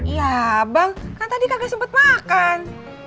ya bang kan tadi kakek sempet makan